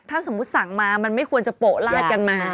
ถ้าสมมุติสั่งมามันไม่ควรจะโปะลาดกันมา